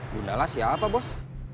gundala siapa bos